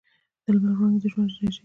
د لمر وړانګې د ژوند انرژي ده.